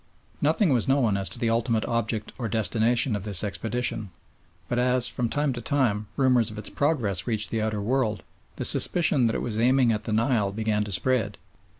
Nothing was known as to the ultimate object or destination of this expedition, but as, from time to time, rumours of its progress reached the outer world, the suspicion that it was aiming at the Nile began to spread.